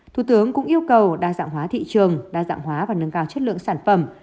thủ tướng cũng yêu cầu đa dạng hóa thị trường đa dạng hóa và nâng cao chất lượng sản phẩm